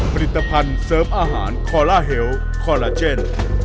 ผลิตภัณฑ์เสริมอาหารคอลลาเฮลคอลลาเจน